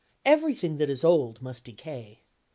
Everything that is old must decay.